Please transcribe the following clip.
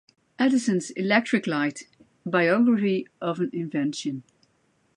"Edison's electric light: biography of an invention".